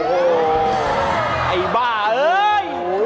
โอ้โหไอ้บ้าเอ้ย